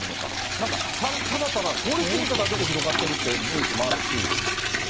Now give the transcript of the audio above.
なんか、ただただ通り過ぎただけで広がってるっていうニュースもあるし。